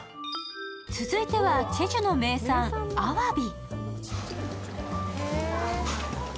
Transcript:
続いてはチェジュの名産あわび。